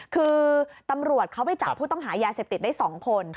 คือตำรวจเขาไปจับผู้ต้องหายาเสพติดได้๒คน